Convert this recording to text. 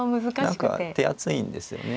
何か手厚いんですよね。